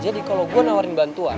jadi kalo gue nawarin bantuan